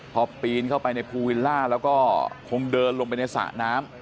พอปีนเข้าไปในภูวิลล่าแล้วก็คงเดินลงไปในสระน้ำ